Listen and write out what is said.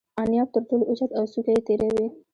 انیاب تر ټولو اوچت او څوکه یې تیره وي.